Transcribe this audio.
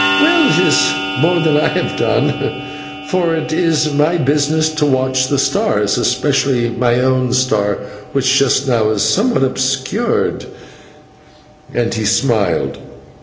"Well, it is more than I have done, for it is my business to watch the stars, especially my own star, which just now is somewhat obscured," and he smiled.